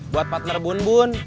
buat partner bun bun